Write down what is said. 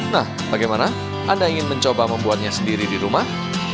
nah bagaimana anda ingin mencoba membuatnya sendiri di rumah